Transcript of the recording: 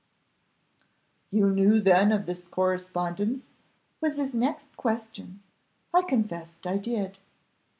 "'You knew then of this correspondence?' was his next question. I confessed I did.